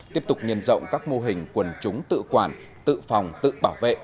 tiếp tục nhân rộng các mô hình quần chúng tự quản tự phòng tự bảo vệ